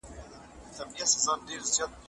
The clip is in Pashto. څو ښکلیو او رنګینو ونو ته نظر واوښت